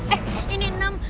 eh ini enam